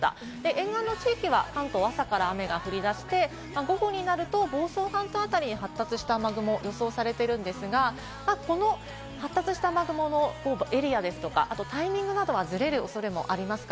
沿岸の地域は関東、朝から雨が降り出して、午後になると房総半島辺り、発達した雨雲が予想されているんですが、この発達した雨雲のエリアですとか、タイミングなどは、ずれる恐れがあります。